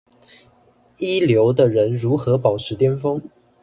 一流的人如何保持顛峰